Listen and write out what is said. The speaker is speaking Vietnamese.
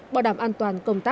bảo đảm an toàn công ty